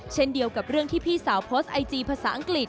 เช่นเดียวกับเรื่องที่พี่สาวโพสต์ไอจีภาษาอังกฤษ